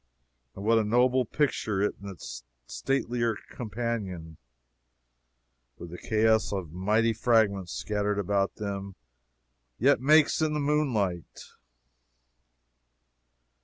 And what a noble picture it and its statelier companion, with the chaos of mighty fragments scattered about them, yet makes in the moonlight!